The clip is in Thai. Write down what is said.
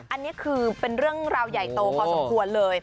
อันนี้คือเป็นเรื่องราวใหญ่โตพอสมควรเลย